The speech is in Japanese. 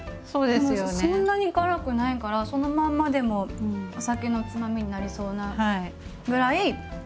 でもそんなに辛くないからそのまんまでもお酒のつまみになりそうなぐらい辛くないです。